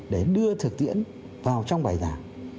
để đưa thực tiễn vào trong bài giảng